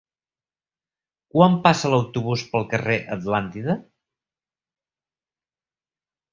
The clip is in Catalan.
Quan passa l'autobús pel carrer Atlàntida?